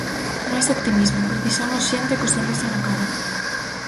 Máis optimismo Precisamos xente co sorriso na cara.